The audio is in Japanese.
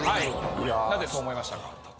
なぜそう思いましたか？